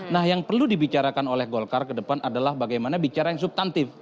nah yang perlu dibicarakan oleh golkar ke depan adalah bagaimana bicara yang subtantif